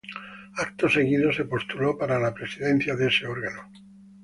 Acto seguido, se postuló para la presidencia de ese órgano.